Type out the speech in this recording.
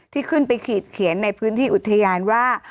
ที่ขึ้นไปขีดเขียนในพื้นที่อุทยานว่า